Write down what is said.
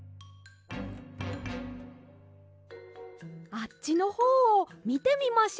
あっちのほうをみてみましょうか？